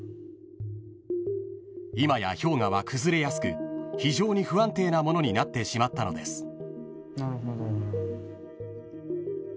［今や氷河は崩れやすく非常に不安定なものになってしまったのです］